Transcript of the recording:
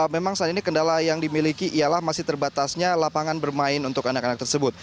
memang saat ini kendala yang dimiliki ialah masih terbatasnya lapangan bermain untuk anak anak tersebut